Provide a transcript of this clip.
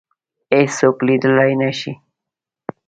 هیڅوک لیدلای نه شي